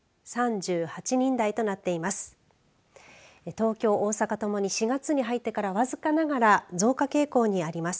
東京大阪ともに４月に入ってから僅かながら増加傾向にあります。